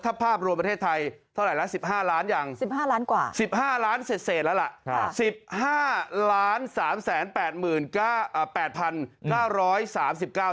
ถ้าภาพรวมประเทศไทยเท่าไหร่ละ๑๕ล้านกว่า๑๕ล้านเสร็จเสร็จแล้วล่ะ